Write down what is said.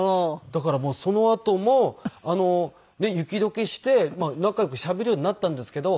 だからもうそのあとも雪解けして仲良くしゃべるようになったんですけど。